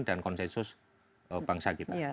dan konsensus bangsa kita